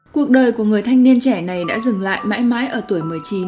cuộc đời của người thanh niên trẻ này đã dừng lại mãi mãi ở tuổi một mươi chín